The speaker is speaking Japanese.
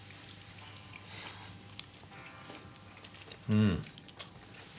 うん。